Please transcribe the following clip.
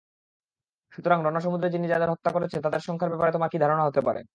সুতরাং রণসমুদ্রে তিনি যাদের হত্যা করেছেন তাদের সংখ্যার ব্যাপারে তোমার কী ধারণা হতে পারে!